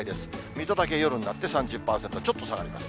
水戸だけ夜になって３０％、ちょっと下がります。